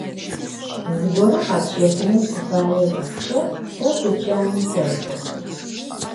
Zıgore khetşefıneu tıfaê zıxhuç'e te tuçanım tek'o.